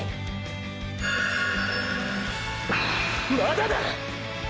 まだだっ！！